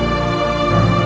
untuk bel zalim